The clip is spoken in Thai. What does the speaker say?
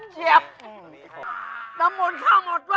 เจ็บ